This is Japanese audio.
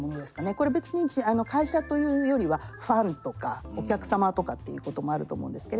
これ別に会社というよりはファンとかお客様とかっていうこともあると思うんですけれども。